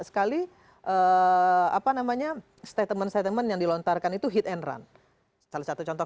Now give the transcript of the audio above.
sekali apa namanya statement statement yang dilontarkan itu hit and run salah satu contoh